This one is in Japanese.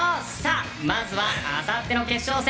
まずはあさっての決勝戦